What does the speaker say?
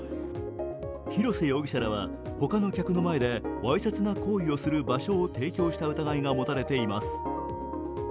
広瀬容疑者らは他の客の前でわいせつな行為をする場所を提供した疑いがもたれています。